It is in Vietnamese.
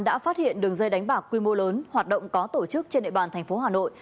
đã phát hiện đường dây đánh bạc quy mô lớn hoạt động có tổ chức trên địa bàn thành phố hà nội